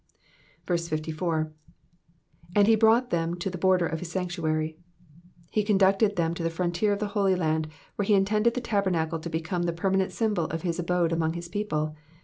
54. ^^'And he brought them to the boi'der of his sanctuary,^'' He conducted them to the frontier of the Holy Land, where he intended the tabernacle to become the permanent symbol of his abode among his people.